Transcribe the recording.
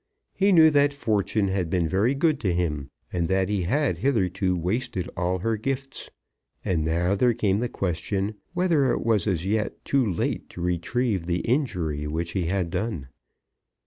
He knew that Fortune had been very good to him, and that he had hitherto wasted all her gifts. And now there came the question whether it was as yet too late to retrieve the injury which he had done.